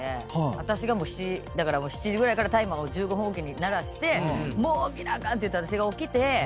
私が７時ぐらいからタイマーを１５分置きに鳴らしてもう起きなあかんって私が起きて。